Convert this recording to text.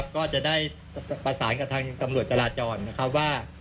ก็จะได้ประสานกับทางกำรวจจราจรว่า